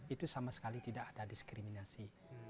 itu sama sekali tidak ada diskriminasi